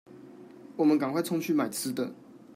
我們趕快衝去買吃的